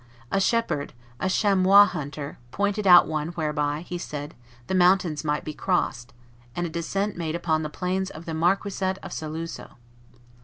A shepherd, a chamois hunter, pointed out one whereby, he said, the mountains might be crossed, and a descent made upon the plains of the marquisate of Saluzzo.